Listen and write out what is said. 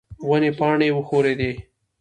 ونې پاڼې وښورېدې.